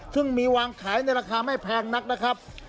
ซึ่งมีวางขายในราคาไม่แพงนักนะครับ